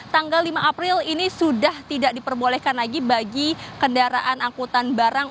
tanggal lima april ini sudah tidak diperbolehkan lagi bagi kendaraan angkutan barang